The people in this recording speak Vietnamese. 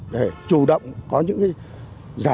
để chủ động có những cái nâng cao cảnh giác